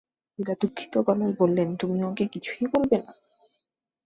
মীরা দুঃখিত গলায় বললেন, তুমি ওঁকে কিছুই বলবে না?